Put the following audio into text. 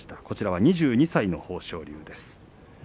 こちらは２２歳の豊昇龍です。